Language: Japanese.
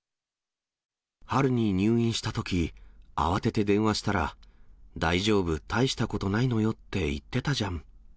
春に入院したとき、慌てて電話したら、大丈夫、大したことないのよって言ってたじゃん。